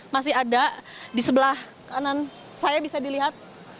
masih ada di sebelah kanan saya bisa dilihat